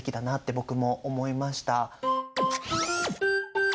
僕も思いました。